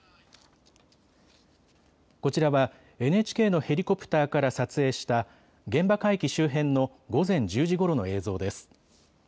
こちらはＮＨＫのヘリコプターから撮影した現場海域周辺の午前１０時ごろの映像です。